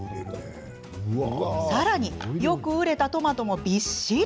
さらに、よく熟れたトマトもびっしり。